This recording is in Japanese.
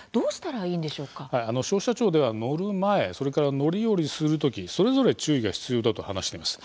はい消費者庁では乗る前乗り降りする時それぞれ注意が必要だと話しています。